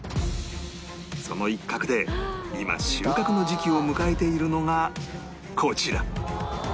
その一角で今収穫の時期を迎えているのがこちら